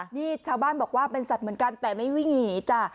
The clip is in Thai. นี่ชาวบ้านบอกว่าเป็นสัตว์เหมือนกันแต่ไม่วิ่งหนีจ้ะ